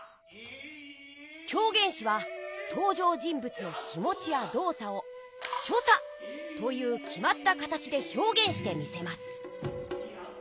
狂言しはとう場人ぶつの気持ちやどう作を所作というきまった形でひょうげんしてみせます。